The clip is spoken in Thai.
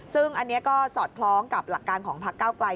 ซึ่งอันนี้ก็สอดคล้องกับหลักการของพักเก้าไกล